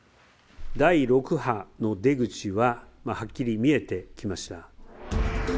第６波の出口ははっきり見えてきました。